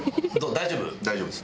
大丈夫です。